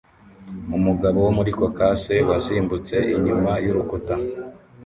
Umugabo wo muri Caucase wasimbutse inyuma y'urukuta